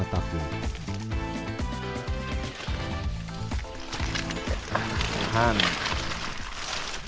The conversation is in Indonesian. rutin air dan titik isi